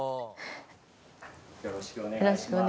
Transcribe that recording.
よろしくお願いします。